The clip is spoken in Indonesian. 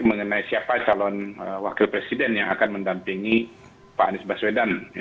mengenai siapa calon wakil presiden yang akan mendampingi pak anies baswedan